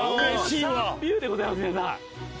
オーシャンビューでございます。